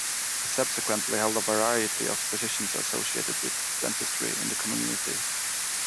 He subsequently held a variety of positions associated with dentistry in the community.